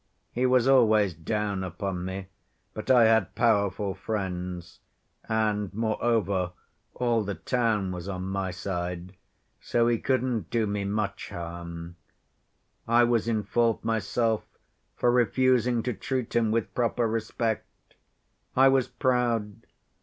He was always down upon me, but I had powerful friends, and, moreover, all the town was on my side, so he couldn't do me much harm. I was in fault myself for refusing to treat him with proper respect. I was proud.